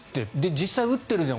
実際、打ってるじゃん